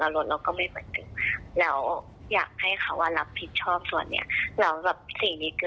ก็คือเราต้องมาเสียเงินที่เราต้องไปทำงานเราไม่ได้ใช้รถ